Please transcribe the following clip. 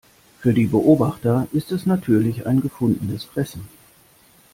Für die Beobachter ist es natürlich ein gefundenes Fressen.